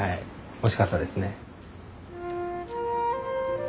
おいしかったですね。